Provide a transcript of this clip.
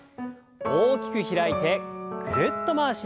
大きく開いてぐるっと回します。